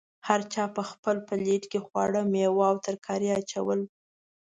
هر چا په خپل پلیټ کې خواړه، میوه او ترکاري اچول.